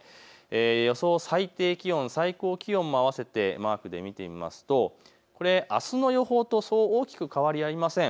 予想最低気温、最高気温も合わせてマークで見てみますとあすの予報と大きく変わりありません。